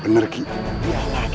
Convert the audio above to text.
benar gitu dia lagi